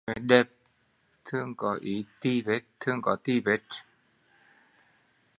Gái đẹp thường có tỳ vết